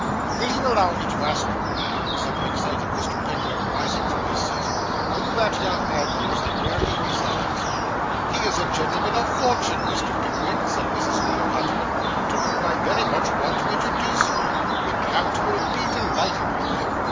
'Will you allow me to ask you, ma'am,' said the excited Mr. Pickwick, rising from his seat, 'who that young man is, and where he resides?' 'He is a gentleman of fortune, Mr. Pickwick,' said Mrs. Leo Hunter, 'to whom I very much want to introduce you. The count will be delighted with him.